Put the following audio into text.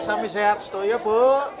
sampai sehat setuju bu